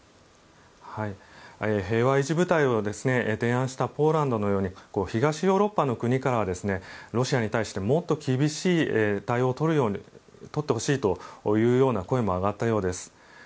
平和維持部隊を提案したポーランドのように東ヨーロッパの国からはロシアに対してもっと厳しい対応を取ってほしいというような声も上がったようです。